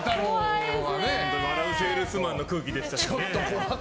「笑ゥせぇるすまん」の空気でしたからね。